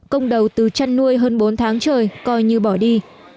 công đầu từ chăn nuôi hơn bốn tháng trời coi như bỏ đi